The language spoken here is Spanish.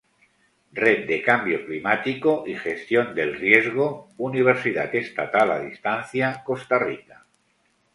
Red de Cambio Climático y Gestión del Riesgo, Universidad Estatal a Distancia, Costa Rica.